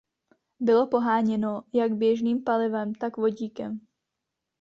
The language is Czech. Bylo poháněno jak běžným palivem, tak vodíkem.